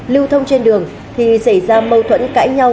lưu thông trên đường thì xảy ra mâu thuẫn cãi nhau